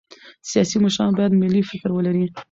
سیاسي مشران باید ملي فکر ولري